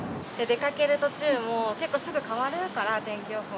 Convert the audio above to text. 出かける途中も、結構すぐ変わるから、天気予報。